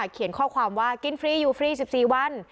เขียนข้อความว่ากินฟรีอยู่ฟรี๑๔วัน